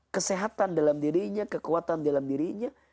kesehatan dalam dirinya kekuatan dalam dirinya